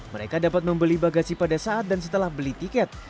mereka dapat membeli bagasi pada saat dan setelah beli tiket